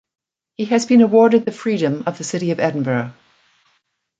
He has been awarded the freedom of the city of Edinburgh.